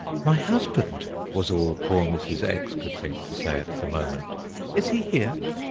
"My husband!" was all poor Mrs. X. could think to say at the moment, "is he here?"